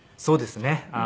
そうですね。